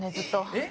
えっ？